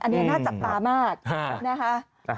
อันนี้น่าจับตามากนะคะ